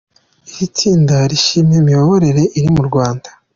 Iri tsinda rishima imiyoborere iri mu Rwanda.